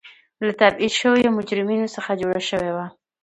له تبعید شویو مجرمینو څخه جوړه شوې وه.